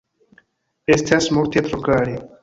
Estas multe tro kare.